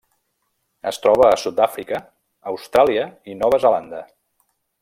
Es troba a Sud-àfrica, Austràlia i Nova Zelanda.